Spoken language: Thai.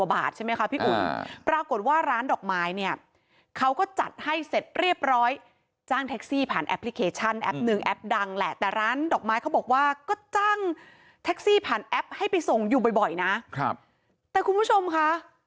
ผ่านแอปพลิเคชั่นแอปหนึ่งแอปดังแหละแต่ร้านดอกไม้เขาบอกว่าก็จั้งแท็กซี่ผ่านแอปให้ไปส่งอยู่บ่อยนะครับแต่คุณผู้ชมค่ะ